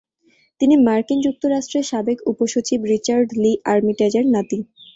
তিনি মার্কিন যুক্তরাষ্ট্রের সাবেক উপ-সচিব রিচার্ড লি আর্মিটেজ-এর নাতি।